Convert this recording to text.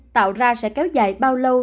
tạo ra sẽ kéo dài bao lâu